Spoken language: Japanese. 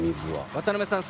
渡邊さん